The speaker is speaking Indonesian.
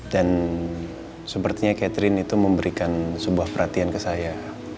dan sepertinya catherine itu memberikan sebuah perhatian ke saya